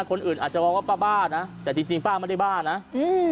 คนอื่นอาจจะมองว่าป้าบ้านะแต่จริงจริงป้าไม่ได้บ้านะอืม